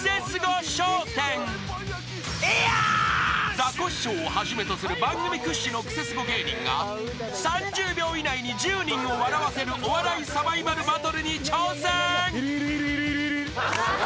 ［ザコシショウをはじめとする番組屈指のクセスゴ芸人が３０秒以内に１０人を笑わせるお笑いサバイバルバトルに挑戦］